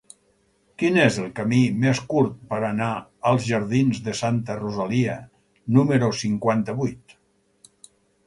Quin és el camí més curt per anar als jardins de Santa Rosalia número cinquanta-vuit?